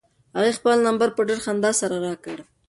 هغې خپل نمبر په ډېرې خندا سره راکړ.